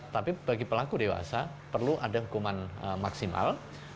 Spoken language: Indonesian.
tapi bagi pelaku dewasa perlu ada hukuman maksimal